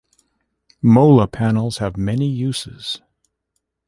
Mola panels have many uses.